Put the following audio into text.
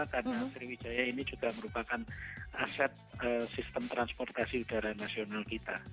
karena sriwidaya ini juga merupakan aset sistem transportasi udara nasional kita